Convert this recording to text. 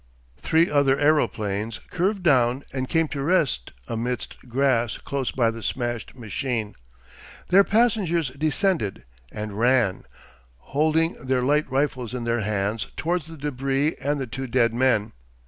Three other aeroplanes curved down and came to rest amidst grass close by the smashed machine. Their passengers descended, and ran, holding their light rifles in their hands towards the débris and the two dead men.